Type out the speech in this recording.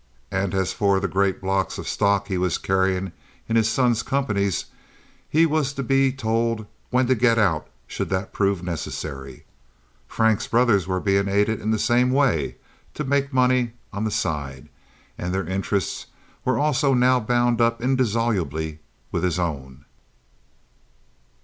And as for the great blocks of stocks he was carrying in his son's companies, he was to be told when to get out should that prove necessary. Frank's brothers were being aided in the same way to make money on the side, and their interests were also now bound up indissolubly with his own.